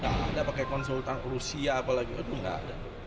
nggak ada pakai konsultan rusia apalagi aduh nggak ada